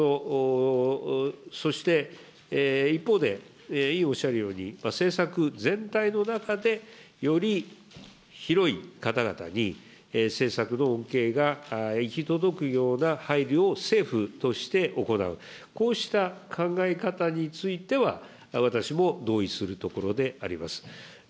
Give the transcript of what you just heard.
そして、一方で、委員おっしゃるように、政策全体の中で、より広い方々に政策の恩恵が行き届くような配慮を政府として行う、こうした考え方については、私も同意するところであります。